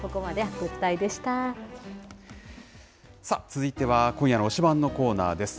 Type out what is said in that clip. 続いては、今夜の推しバン！のコーナーです。